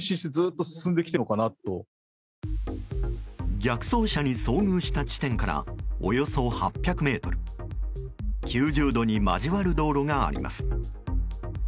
逆走車に遭遇した地点からおよそ８００ｍ９０度に交わる道路があります。